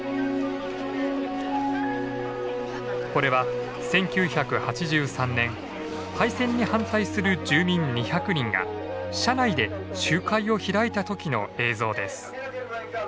これは１９８３年廃線に反対する住民２００人が車内で集会を開いた時の映像です。